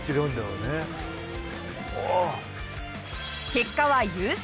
結果は優勝。